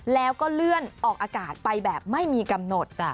แล้วก็เลื่อนออกอากาศไปแบบไม่มีกำหนด